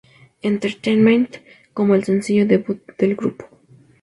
Entertainment como el sencillo debut del grupo.